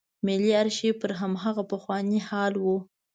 ملي آرشیف پر هماغه پخواني حال و.